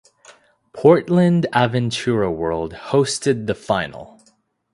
Portland Aventura World hosted the final.